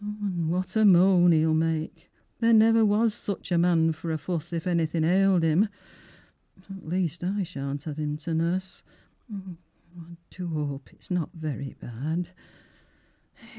An' what a moan he'll make there niver Was such a man for a fuss If anything ailed him at any rate I shan't have him to nuss. I do hope it's not very bad!